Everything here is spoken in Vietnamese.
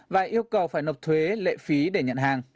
và yêu cầu phải nộp thuế lệ phí để nhận hàng